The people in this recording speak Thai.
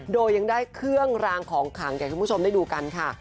โดยยังได้เครื่องรางของขังอยากให้คุณผู้ชมได้ดูกันค่ะ